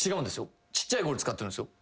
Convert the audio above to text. ちっちゃいゴール使ってるんすよ。